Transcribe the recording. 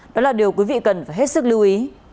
đó là điều quý vị cần phải hết sức lưu ý